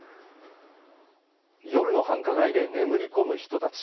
夜の繁華街で眠り込む人たち。